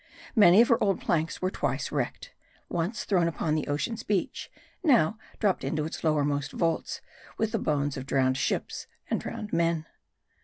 Many of her old planks were twice wrecked ; once strown upon ocean's beach ; now dropped into its lowermost vaults, with the bones of drowned ships and drowned men.